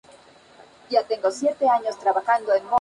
De todas maneras poca suerte le cupo en su papel marital.